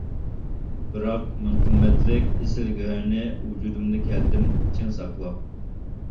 بىراق مەن قىممەتلىك ئېسىل گۆھەرنى، ۋۇجۇدۇمدا كەلدىم چىڭ ساقلاپ.